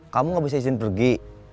kamu gak bisa izin pergi